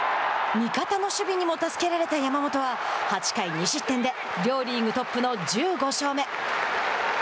味方の守備にも助けられた山本は８回２失点で両リーグトップの１５勝目。